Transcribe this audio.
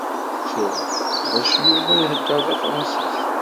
TtuƔ bac Yuba iheddeṛ tafṛansist.